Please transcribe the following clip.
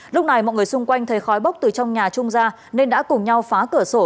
lúc này mọi người xung quanh thấy khói bốc từ trong nhà trung ra nên đã cùng nhau phá cửa sổ